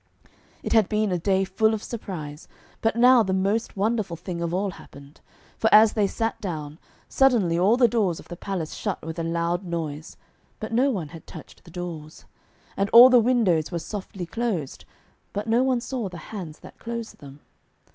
It had been a day full of surprise, but now the most wonderful thing of all happened. For as they sat down, suddenly all the doors of the palace shut with a loud noise, but no one had touched the doors. And all the windows were softly closed, but no one saw the hands that closed them.